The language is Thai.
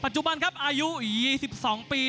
ยักษ์